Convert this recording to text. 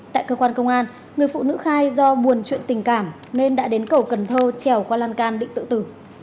tại cơ quan công an người phụ nữ khai do buồn chuyện tình cảm nên đã đến cầu cần thơ trèo qua lan can định tự tử